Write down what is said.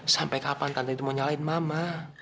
sampai kapan tante itu mau nyalahin mama